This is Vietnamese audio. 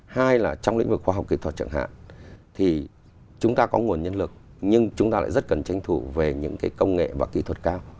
hai là trong lĩnh vực khoa học kỹ thuật chẳng hạn thì chúng ta có nguồn nhân lực nhưng chúng ta lại rất cần tranh thủ về những công nghệ và kỹ thuật cao